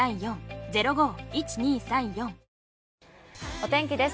お天気です。